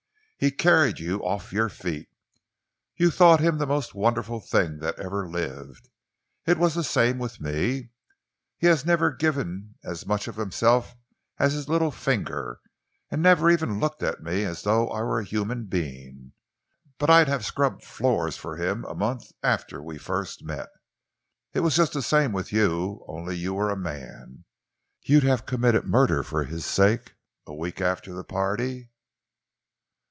"He carried you off your feet. You thought him the most wonderful thing that ever lived. It was the same with me. He has never given as much of himself as his little finger, never even looked at me as though I were a human being, but I'd have scrubbed floors for him a month after we first met. It was just the same with you, only you were a man. You'd have committed murder for his sake, a week after that party."